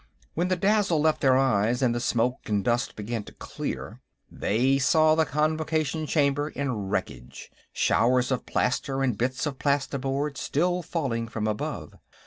When the dazzle left their eyes, and the smoke and dust began to clear, they saw the Convocation Chamber in wreckage, showers of plaster and bits of plastiboard still falling from above.